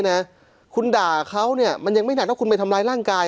นะคุณด่าเขาเนี่ยมันยังไม่หนักว่าคุณไปทำร้ายร่างกาย